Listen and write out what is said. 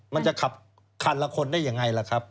มันจะขับคันละคนได้ยังไงล่ะครับ